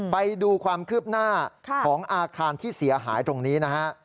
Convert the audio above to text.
ไปดูความคืบหน้าของอาคารที่เสียหายตรงนี้นะฮะ